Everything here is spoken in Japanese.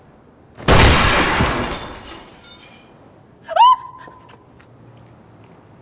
あっ！